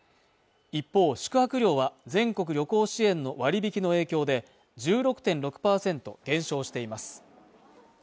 一方宿泊料は全国旅行支援の割引の影響で１６．６％減少しています